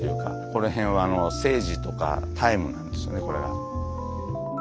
この辺はセージとかタイムなんですよねこれが。